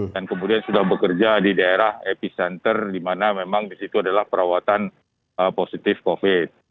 dan kemudian sudah bekerja di daerah epicenter dimana memang disitu adalah perawatan positif covid